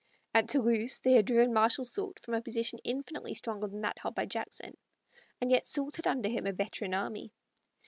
At Toulouse they had driven Marshal Soult from a position infinitely stronger than that held by Jackson, and yet Soult had under him a veteran army.